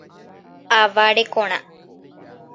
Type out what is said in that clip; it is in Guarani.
Ava rekorã.